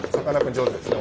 上手ですよ。